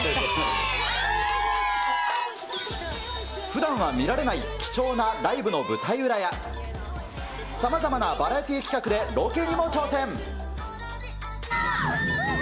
ふだんは見られない貴重なライブの舞台裏や、さまざまなバラエティー企画でロケにも挑戦。